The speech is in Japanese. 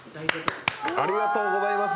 ありがとうございます！